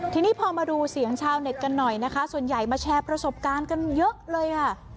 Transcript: ทีนี้พอมาดูเสียงชาวเน็ตกันหน่อยนะคะส่วนใหญ่มาแชร์ประสบการณ์กันเยอะเลยค่ะ